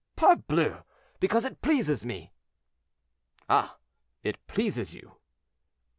"Parbleu! because it pleases me." "Ah! it pleases you."